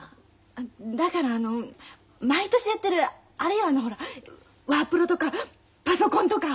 だからあの毎年やってるあれよあのほらワープロとかパソコンとかほら。